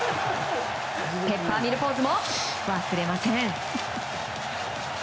ペッパーミルポーズも忘れません。